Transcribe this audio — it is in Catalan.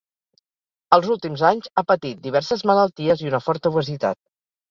Als últims anys ha patit diverses malalties i una forta obesitat.